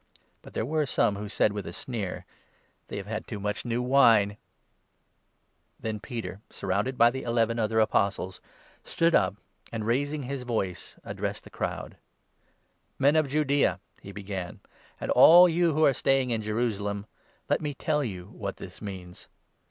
But there were some who said with a sneer :" They have had 13 too much new wine." Peter's Then Peter, surrounded by the eleven other 14 Addre<M». Apostles, stood up, and, raising his voice, ad dressed the crowd. " Men of Judaea," he began, " and all you who are staying in Jerusalem, let me tell you what this means.